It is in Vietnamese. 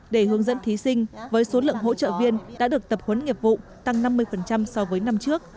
để hướng dẫn thí sinh với số lượng hỗ trợ viên đã được tập huấn nghiệp vụ tăng năm mươi so với năm trước